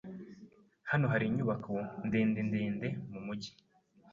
Hano hari inyubako ndende ndende mumujyi.